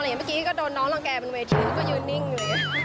เมื่อกี้ก็โดนน้องหลังแก่เป็นเวทิวก็ยืนนิ่งเลย